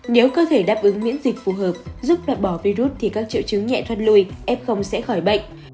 nếu cơ thể đáp ứng miễn dịch phù hợp giúp loại bỏ virus thì các triệu chứng nhẹ thoát lùi f sẽ khỏi bệnh